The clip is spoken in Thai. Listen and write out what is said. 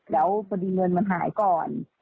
แล้วคุณผู้ดีเงินมันหายก่อน